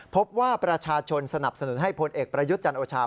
พบว่าประชาชนสนับสนุนให้พลเอกประยุทธ์จันโอชา